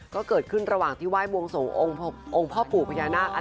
ก็เกิดขึ้นระหว่างที่ไหว้บวงสงองค์พ่อปู่พญานาค